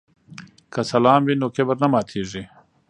که سلام وي نو کبر نه پاتیږي.